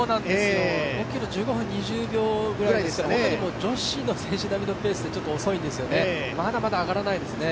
５ｋｍは５分２０秒ぐらいですから、女子の選手並みのペースで遅いんですよね、まだまだ上がらないですね。